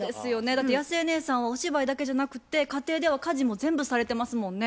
だってやすえねえさんはお芝居だけじゃなくて家庭では家事も全部されてますもんね？